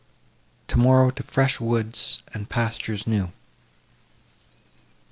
Tomorrow, to fresh woods and pastures new.